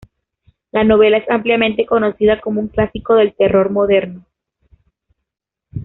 La novela es ampliamente conocida como un clásico del terror moderno.